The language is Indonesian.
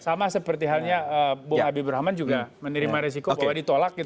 sama seperti halnya bu abipur rahman juga menerima resiko bahwa ditolak gitu lah